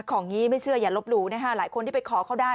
ของนี้ไม่เชื่ออย่าลบหลู่นะคะหลายคนที่ไปขอเขาได้